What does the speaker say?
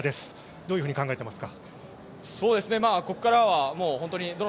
どういうふうに考えていますか。